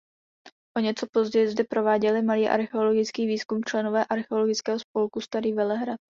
O něco později zde prováděli malý archeologický průzkum členové Archeologického spolku Starý Velehrad.